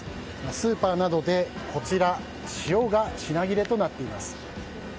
スーパーなどで塩が品切れとなっています。